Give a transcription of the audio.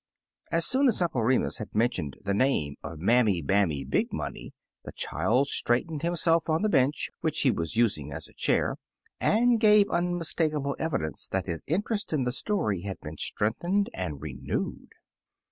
As soon as Uncle Remus had mentioned the name of Mammy Bammy Big Money the child straightened himself on the bench which he was using as a chair, and gave unmistakable evidence that his interest in the stoiy had been strengthened and re newed.